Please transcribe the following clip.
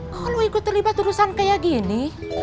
kalau ikut terlibat urusan kayak gini